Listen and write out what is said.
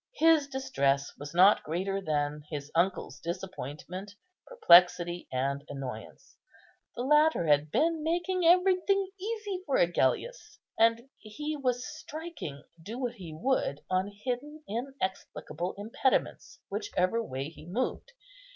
His distress was not greater than his uncle's disappointment, perplexity, and annoyance. The latter had been making everything easy for Agellius, and he was striking, do what he would, on hidden, inexplicable impediments, whichever way he moved.